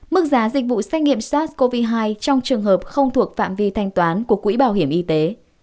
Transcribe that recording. mức giá dịch vụ xét nghiệm sars cov hai trong trường hợp không thuộc phạm vi thanh toán của quỹ bảo hiểm y tế